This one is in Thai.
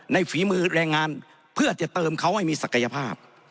ฝีมือแรงงานเพื่อจะเติมเขาให้มีศักยภาพ